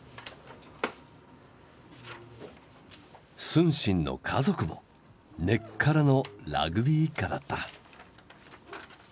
承信の家族も根っからのラグビー一家だった。